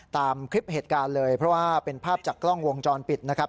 ตามคลิปเหตุการณ์เลยเพราะว่าเป็นภาพจากกล้องวงจรปิดนะครับ